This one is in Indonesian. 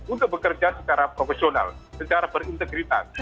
untuk bekerja secara profesional secara berintegritas